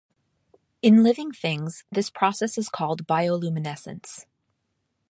In living things, this process is called bioluminescence.